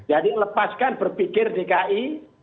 jadi lepaskan berpikir dki